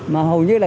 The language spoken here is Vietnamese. mà hầu như là